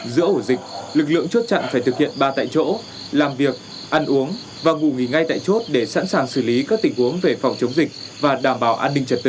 giữa ổ dịch lực lượng chốt chặn phải thực hiện ba tại chỗ làm việc ăn uống và ngủ nghỉ ngay tại chốt để sẵn sàng xử lý các tình huống về phòng chống dịch và đảm bảo an ninh trật tự